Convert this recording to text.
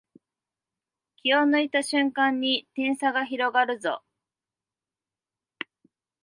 気を抜いた瞬間に点差が広がるぞ